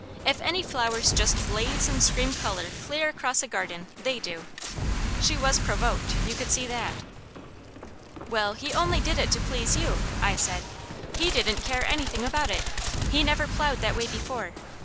If any flowers just blaze and scream colour clear across a garden, they do. She was provoked, you could see that. "Well, he only did it to please you," I said. "He didn't care anything about it. He never plowed that way before.